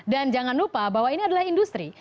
dan jangan lupa bahwa ini adalah industri